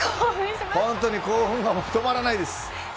本当に興奮が止まらないです。